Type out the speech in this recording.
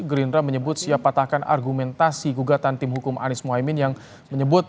gerindra menyebut siap patahkan argumentasi gugatan tim hukum anies mohaimin yang menyebut